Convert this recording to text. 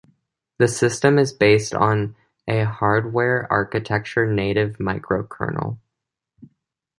The system is based on a hardware architecture native microkernel.